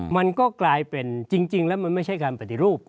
มันก็กลายเป็นจริงแล้วมันไม่ใช่การปฏิรูป